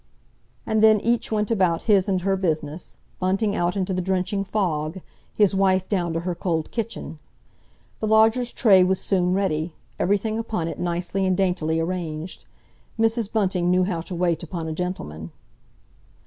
And then each went about his and her business—Bunting out into the drenching fog, his wife down to her cold kitchen. The lodger's tray was soon ready; everything upon it nicely and daintily arranged. Mrs. Bunting knew how to wait upon a gentleman.